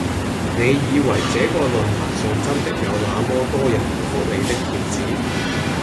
你以為這個論壇上真的有那麼多人回覆你的帖子？